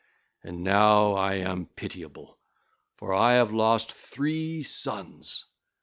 And now I am pitiable, for I have lost three sons.